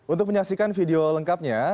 untuk penyaksikan video lengkapnya